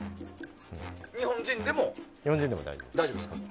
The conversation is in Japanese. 日本人でも大丈夫です。